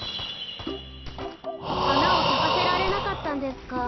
はなをさかせられなかったんですか。